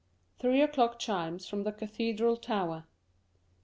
Three o'clock chimes from the cathedral tower.